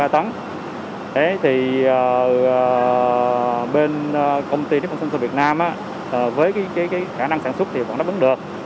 thế thì bên công ty nhiệm vụ sản xuất việt nam với cái khả năng sản xuất thì còn đáp ứng được